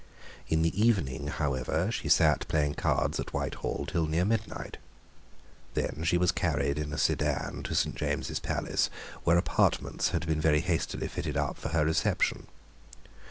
In the evening, however, she sate playing cards at Whitehall till near midnight. Then she was carried in a sedan to Saint James's Palace, where apartments had been very hastily fitted up for her reception.